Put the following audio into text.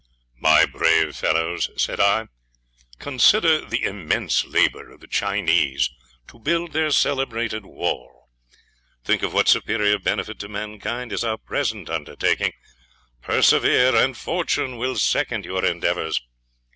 "My brave fellows," said I, "consider the immense labour of the Chinese to build their celebrated wall; think of what superior benefit to mankind is our present undertaking; persevere, and fortune will second your endeavours.